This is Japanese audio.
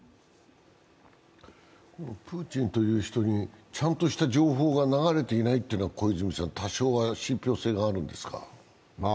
プーチンという人にちゃんとした情報が流れていないというのは、多少は信ぴょう性があるんですか？